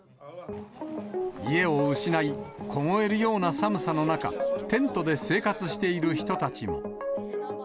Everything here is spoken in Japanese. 家を失い、凍えるような寒さの中、テントで生活している人たちも。